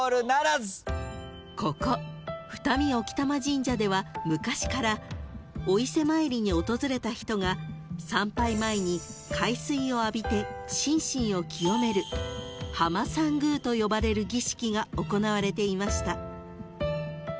［ここ二見興玉神社では昔からお伊勢参りに訪れた人が参拝前に海水を浴びて心身を清める浜参宮と呼ばれる儀式が行われていました］